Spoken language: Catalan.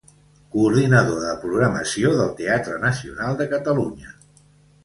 Coordinador de programació del Teatre Nacional de Catalunya.